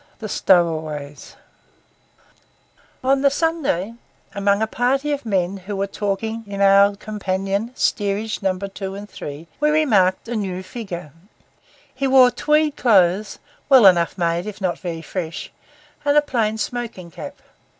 THE STOWAWAYS On the Sunday, among a party of men who were talking in our companion, Steerage No. 2 and 3, we remarked a new figure. He wore tweed clothes, well enough made if not very fresh, and a plain smoking cap.